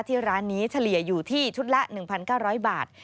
ร้านนี้เฉลี่ยอยู่ที่ชุดละ๑๙๐๐บาท